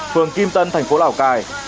phường kim tân thành phố lào cai